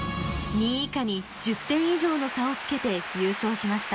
２位以下に１０点以上の差をつけて優勝しました。